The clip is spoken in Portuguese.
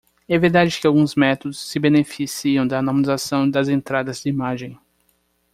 É verdade que alguns métodos se beneficiam da normalização das entradas de imagem.